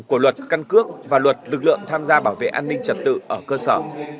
của luật căn cước và luật lực lượng tham gia bảo vệ an ninh trật tự ở cơ sở